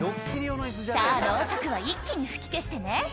「さぁロウソクは一気に吹き消してね」